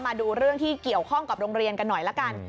มาดูเรื่องที่เกี่ยวข้องกับโรงเรียนกันหน่อยละกัน